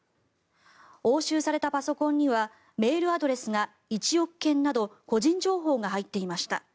押収されたパソコンにはメールアドレスが１億件など個人情報が入っていました。